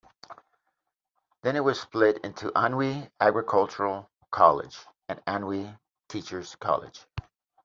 Then it was split into Anhui Agricultural College and Anhui Teacher's college.